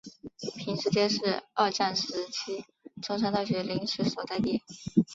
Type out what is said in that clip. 坪石街是二战时期中山大学临时所在地。